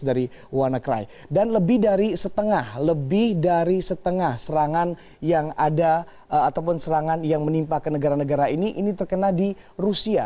dan lebih dari setengah serangan yang ada ataupun serangan yang menimpa ke negara negara ini terkena di rusia